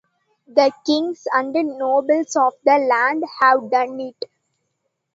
The Kings and Nobles of the land have done it!